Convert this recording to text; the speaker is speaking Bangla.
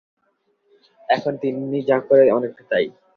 এখন তিন্নি যা করে, অনেকটা তাই।